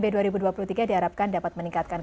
b dua ribu dua puluh tiga diharapkan dapat meningkatkan